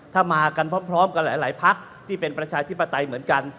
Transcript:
ถ้ามากันพร้อมกับหลายพักที่เป็นประชาธิปไตยเหมือนกัน